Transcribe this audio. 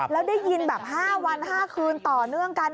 แล้วได้ยินแบบ๕วัน๕คืนต่อเนื่องกัน